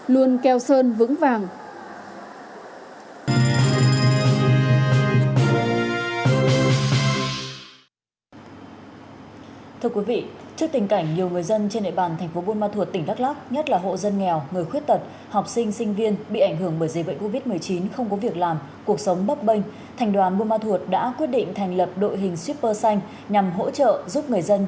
luôn keo sơn vững vàng